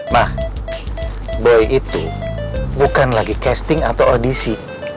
nah boy itu bukan lagi casting atau audisi